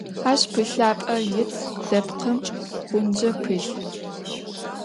Ащ пылъапӏэр ит, дэпкъым гъунджэ пылъ.